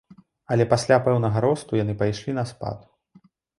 Але пасля пэўнага росту яны пайшлі на спад.